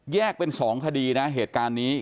เป็น๒คดีนะเหตุการณ์นี้